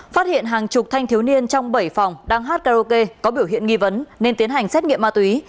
phát hiện hàng chục thanh thiếu niên trong bảy phòng đang hát karaoke có biểu hiện nghi vấn nên tiến hành xét nghiệm ma túy